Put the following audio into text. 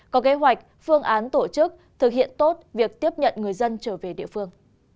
có kế hoạch phương án tổ chức thực hiện tốt việc tiếp nhận người dân trở về địa phương